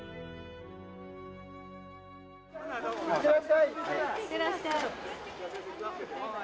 いってらっしゃい。